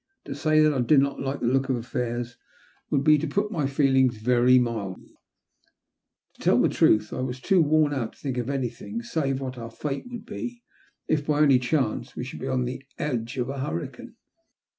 To say that I did not like the look of affairs would be to put my feelings very mildly. To tell the truth, I was too worn out to think of anything, save what our ((kte WQuld be if by any chance we should be on the W o 194 THE LUST OP HAT2. edge of an hurricane.